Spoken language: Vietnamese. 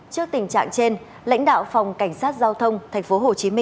trước tình trạng trên lãnh đạo phòng cảnh sát giao thông tp hcm